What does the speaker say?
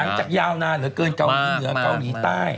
หลังจากยาวนานหรือเกินเกาหลีเหนือกับเกาหลีใต้